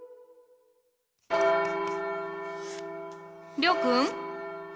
諒君。